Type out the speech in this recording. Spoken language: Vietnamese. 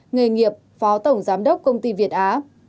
nghề nghiệp phó tổng giám đốc công ty việt á